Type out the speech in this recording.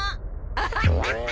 アハハハ！